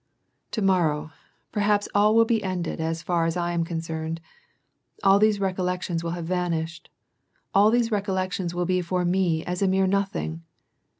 " To morrow, perhaps all will be ended as far as I am concerned, all these recollections will have vanished, all these recollections will be for me as a mere nothing.